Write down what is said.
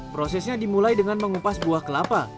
prosesnya dimulai dengan mengupas buah kelapa